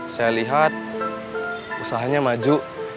saya lihat usahanya maju